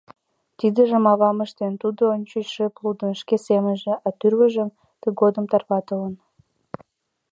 Тидыжым ава ыштен, тудо ончыч шып лудын, шке семынже, а тӱрвыжым тыгодым тарватылын.